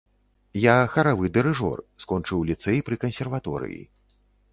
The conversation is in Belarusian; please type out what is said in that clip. Я харавы дырыжор, скончыў ліцэй пры кансерваторыі.